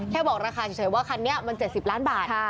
แค่บอกราคาเฉยว่าคันนี้มัน๗๐ล้านบาท